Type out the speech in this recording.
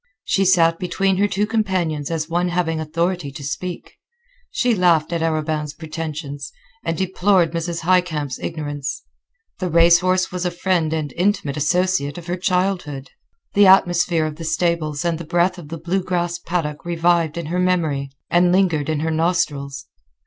She sat between her two companions as one having authority to speak. She laughed at Arobin's pretensions, and deplored Mrs. Highcamp's ignorance. The race horse was a friend and intimate associate of her childhood. The atmosphere of the stables and the breath of the blue grass paddock revived in her memory and lingered in her nostrils.